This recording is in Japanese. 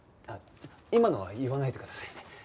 あっ今のは言わないでくださいね。